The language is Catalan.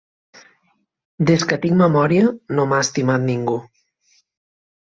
Des que tinc memòria, no m'ha estimat ningú.